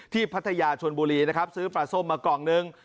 พัทยาชนบุรีนะครับซื้อปลาส้มมากล่องนึง